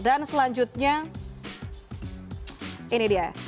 dan selanjutnya ini dia